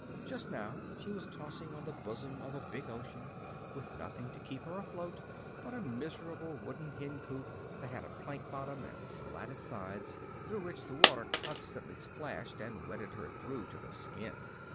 Just now she was tossing on the bosom of a big ocean, with nothing to keep her afloat but a miserable wooden hen coop that had a plank bottom and slatted sides, through which the water constantly splashed and wetted her through to the skin!